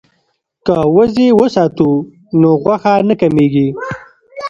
که وزې وساتو نو غوښه نه کمیږي.